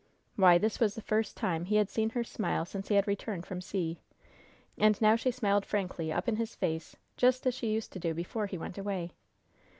Why, this was the first time he had seen her smile since he had returned from sea. And now she smiled frankly up in his face just as she used to do before he went away.